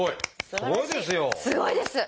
すごいですよ。